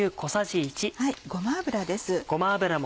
ごま油です。